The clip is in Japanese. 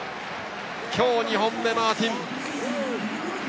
今日２本目、マーティン。